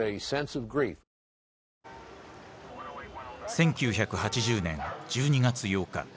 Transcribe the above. １９８０年１２月８日。